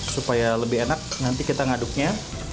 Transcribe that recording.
supaya lebih enak nanti kita ngaduknya